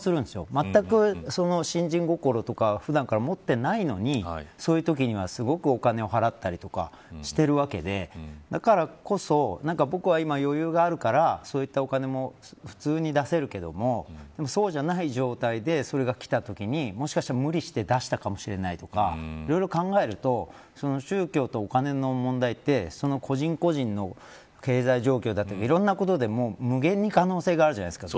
まったく信心ごころとか普段持っていないのにそういうときはすごくお金を払ったりとかしているわけでだからこそ僕は今、余裕があるからそういったお金も普通に出せるけれどもでもそうじゃない状態でそれがきたときにもしかして無理して出したかもしれないとか、いろいろ考えると宗教とお金の問題って個人個人の経済状況だとかいろんなことで無限に可能性があるじゃないですか。